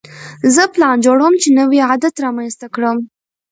زه پلان جوړوم چې نوی عادت رامنځته کړم.